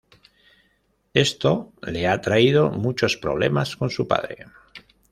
Esto le ha traído muchos problemas con su padre.